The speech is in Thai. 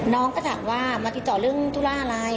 น้องก็ถามว่ามาติดต่อเรื่องธุระอะไร